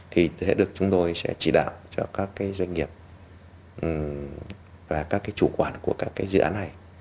thì sẽ được chúng tôi sẽ chỉ đạo cho các cái doanh nghiệp và các cái chủ quản của các cái dự án này